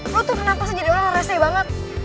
lo tuh kenapa jadi orang orang rese banget